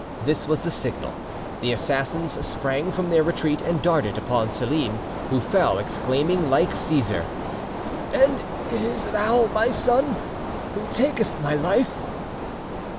This was the signal. The assassins sprang from their retreat and darted upon Selim, who fell, exclaiming, like Caesar, "And it is thou, my son, who takest my life!"